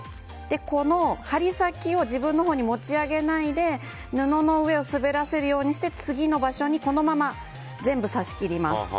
この針先を自分のほうに持ち上げないで布の上を滑らせないようにして次の場所に全部、刺しきります。